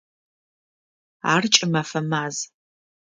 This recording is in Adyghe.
Ар кӏымэфэ маз.